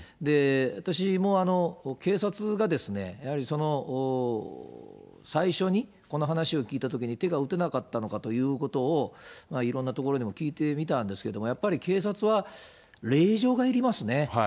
私も警察が、やはり最初にこの話を聞いたときに手が打てなかったのかということを、いろんなところにも聞いてみたんですけど、やっぱり警察は令状がいりますね。